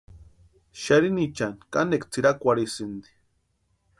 Xarhinichani kanekwa tsʼïrakwarhisïnti.